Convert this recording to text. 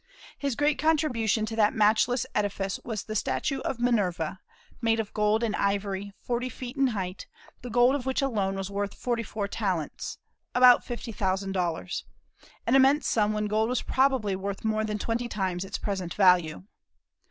His great contribution to that matchless edifice was the statue of Minerva, made of gold and ivory, forty feet in height, the gold of which alone was worth forty four talents, about fifty thousand dollars, an immense sum when gold was probably worth more than twenty times its present value.